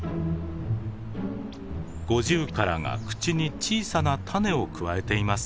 ゴジュウカラが口に小さな種をくわえています。